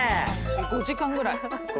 ５時間ぐらい。